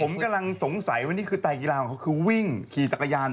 ผมกำลังสงสัยว่านี่คือไตกีฬาของเขาคือวิ่งขี่จักรยาน